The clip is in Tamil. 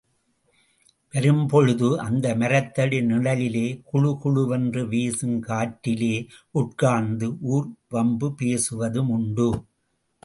வரும்பொழுது அந்த மரத்தடி நிழலிலே குளு குளுவென்று வீசும் காற்றிலே உட்கார்ந்து ஊர்வம்பு பேசுவதும் உண்டு.